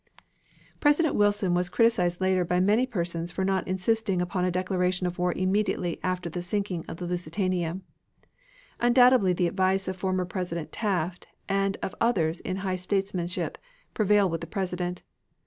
President Wilson was criticised later by many persons for not insisting upon a declaration of war immediately after the sinking of the Lusitania. Undoubtedly the advice of former President Taft and of others high in statesmanship, prevailed with the President.